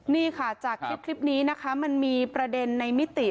นี่ค่ะจากคลิปนี้นะคะมันมีประเด็นในมิติ